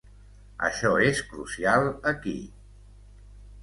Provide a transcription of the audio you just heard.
Això és crucial aquí.